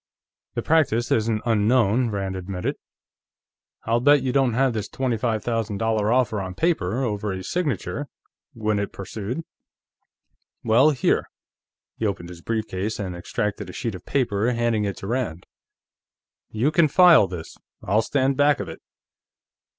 "The practice isn't unknown," Rand admitted. "I'll bet you don't have this twenty five thousand dollar offer on paper, over a signature," Gwinnett pursued. "Well, here." He opened his brief case and extracted a sheet of paper, handing it to Rand. "You can file this; I'll stand back of it."